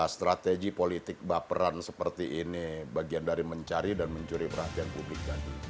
strategi politik baperan seperti ini bagian dari mencari dan mencuri perhatian publik tadi